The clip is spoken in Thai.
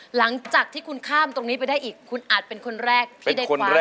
หลังจากที่คุณข้ามตรงนี้ไปได้อีกคุณอาจเป็นคนแรกที่ได้คว้า